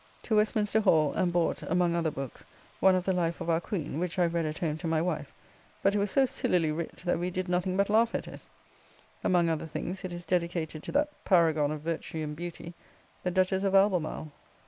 To Westminster Hall, and bought, among, other books, one of the Life of our Queen, which I read at home to my wife; but it was so sillily writ, that we did nothing but laugh at it: among other things it is dedicated to that paragon of virtue and beauty, the Duchess of Albemarle.